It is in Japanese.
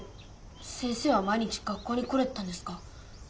先生は毎日学校に来れてたんですか？